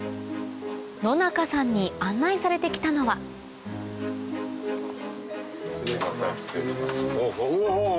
野中さんに案内されて来たのはお！